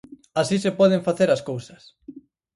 Así se poden facer as cousas.